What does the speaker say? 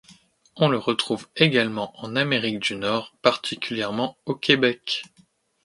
On le retrouve également en Amérique du Nord, particulièrement au Québec.